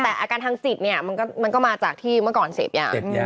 แต่อาการทางจิตเนี่ยมันก็มาจากที่เมื่อก่อนเสพยา